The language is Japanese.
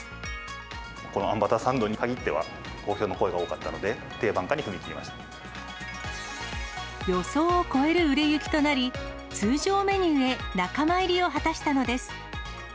このあんバターサンドにかぎっては好評の声が多かったので、予想を超える売れ行きとなり、通常メニューへ仲間入りを果たしたのです。